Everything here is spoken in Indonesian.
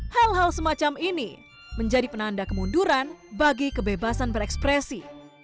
hal hal semacam ini menjadi penanda kemunduran bagi kebebasan berekspresi